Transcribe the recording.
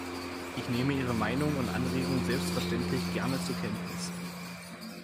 Ich nehme Ihre Meinung und Anregung selbstverständlich gerne zur Kenntnis.